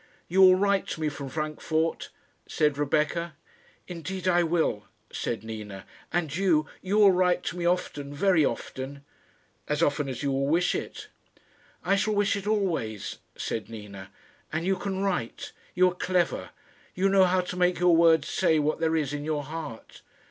"You will write to me from Frankfort?" said Rebecca. "Indeed I will," said Nina; "and you, you will write to me often, very often?" "As often as you will wish it." "I shall wish it always," said Nina; "and you can write; you are clever. You know how to make your words say what there is in your heart."